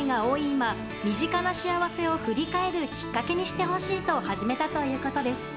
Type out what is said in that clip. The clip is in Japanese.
今身近な幸せを振り返るきっかけにしてほしいと始めたということです。